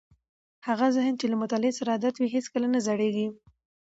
هغه ذهن چې له مطالعې سره عادت وي هیڅکله نه زړېږي.